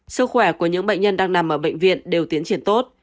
sức khỏe của những bệnh nhân đang nằm ở bệnh viện đều tiến triển tốt